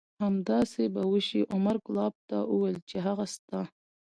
همداسې به وشي. عمر کلاب ته وویل چې هغه ستا